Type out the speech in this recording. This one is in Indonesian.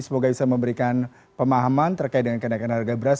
semoga bisa memberikan pemahaman terkait dengan kenaikan harga beras